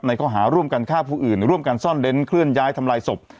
ข้อหาร่วมกันฆ่าผู้อื่นร่วมกันซ่อนเล้นเคลื่อนย้ายทำลายศพ